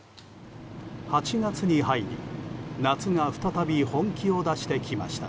８月に入り夏が再び本気を出してきました。